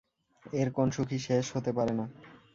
এর কোন সুখী শেষ হতে পারে না।